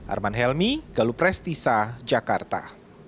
arman helmi galuprestisa jakarta